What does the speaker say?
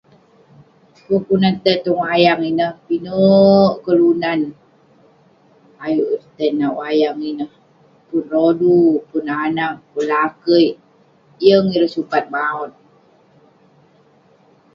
Pun keluan tai tong wayang ineh pineh kelunan ayuk ireh tai nat wayang ineh pun rodu pun anak pun lakeik yeng ireh sukat maout